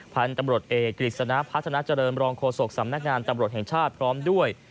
พันธุ์ตำรวจเอกกฤษณะพัฒนาเจริญรองโฆษกสำนักงานตำรวจแห่งชาติพร้อมด้วย